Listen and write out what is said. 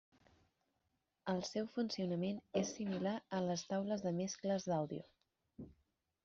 El seu funcionament és similar a les taules de mescles d'àudio.